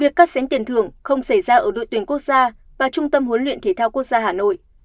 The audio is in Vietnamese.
việc cắt xén tiền thưởng không xảy ra ở đội tuyển quốc gia và trung tâm huấn luyện thể thao quốc gia hà nội